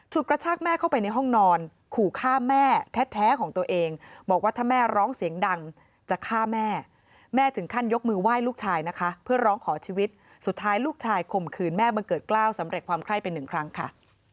กระชากแม่เข้าไปในห้องนอนขู่ฆ่าแม่แท้ของตัวเองบอกว่าถ้าแม่ร้องเสียงดังจะฆ่าแม่แม่ถึงขั้นยกมือไหว้ลูกชายนะคะเพื่อร้องขอชีวิตสุดท้ายลูกชายข่มขืนแม่บังเกิดกล้าวสำเร็จความไข้ไปหนึ่งครั้งค่ะ